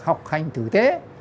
học hành tử tế